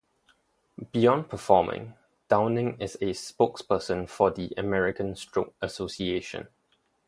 Beyond performing, Downing is a spokesperson for the American Stroke Association.